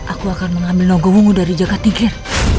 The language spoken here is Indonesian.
aku akan mengambil nogowungu dari jaga tingkir